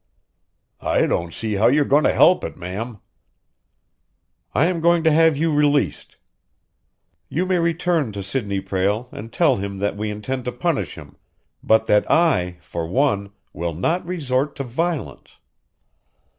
"I don't see how you're goin' to help it, ma'am." "I am going to have you released. You may return to Sidney Prale and tell him that we intend to punish him, but that I, for one, will not resort to violence.